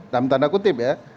dalam tanda kutip ya